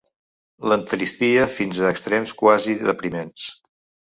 L'entristia fins a extrems quasi depriments.